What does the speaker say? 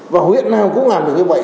và huyện nào cũng làm được như vậy